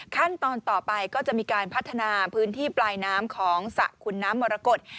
ขั้นตอนต่อไปก็จะมีการพัฒนาพื้นที่ปลายน้ำของสระขุนน้ำมรกฏ